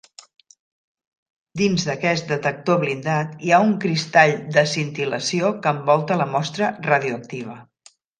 Dins d'aquest detector blindat hi ha un cristall d'escintil·lació que envolta la mostra radioactiva.